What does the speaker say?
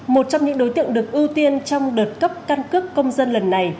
một trong những đối tượng được ưu tiên trong đợt cấp căn cước công dân lần này